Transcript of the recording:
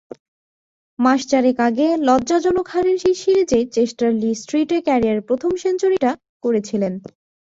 মাস চারেক আগে লজ্জাজনক হারের সেই সিরিজেই চেস্টার-লি-স্ট্রিটে ক্যারিয়ারের প্রথম সেঞ্চুরিটা করেছিলেন।